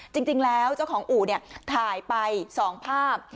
จริงแล้วเจ้าของอู่ถ่ายไป๒ภาพ